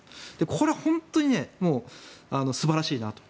ここは本当に素晴らしいなと。